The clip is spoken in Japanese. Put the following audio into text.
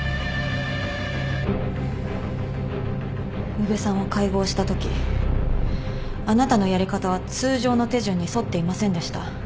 宇部さんを解剖したときあなたのやり方は通常の手順に沿っていませんでした。